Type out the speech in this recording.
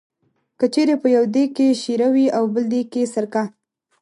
که چېرې په یو دېګ کې شېره وي او بل دېګ کې سرکه.